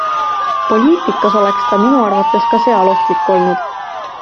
Poliitikas oleks ta minu arvates ka seal ohtlik olnud.